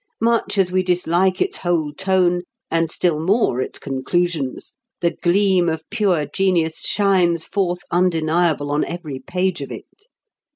Much as we dislike its whole tone, and still more its conclusions, the gleam of pure genius shines forth undeniable on every page of it.